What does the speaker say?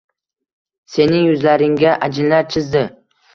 Sening yuzlaringga ajinlar chizdi